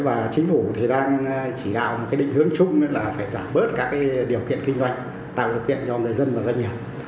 và chính phủ thì đang chỉ đạo một định hướng chung là phải giảm bớt các điều kiện kinh doanh tạo điều kiện cho người dân và doanh nghiệp